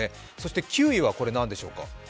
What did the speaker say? ９位は何でしょうか？